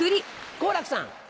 好楽さん。